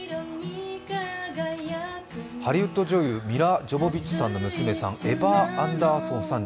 ハリウッド女優・ミラ・ジョヴォヴィッチさんの娘さん、エヴァー・アンダーソンさん